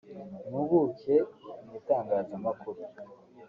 Impuguke mu itangazamakuru